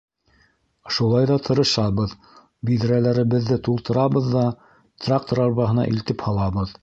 Шулай ҙа тырышабыҙ, биҙрәләребеҙҙе тултырабыҙ ҙа, трактор арбаһына илтеп һалабыҙ.